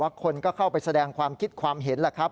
คนก็เข้าไปแสดงความคิดความเห็นแหละครับ